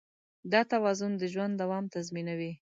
دا توازن د ژوند دوام تضمینوي.